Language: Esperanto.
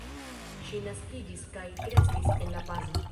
Ŝi naskiĝis kaj kreskis en La Paz.